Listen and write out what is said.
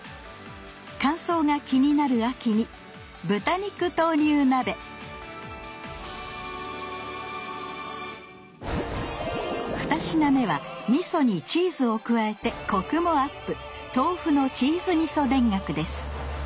乾燥が気になる秋に「豚肉豆乳鍋」２品目はみそにチーズを加えてコクもアップ！